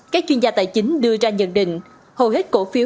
các chuyên gia tài chính đưa ra nhận định hầu hết cổ phiếu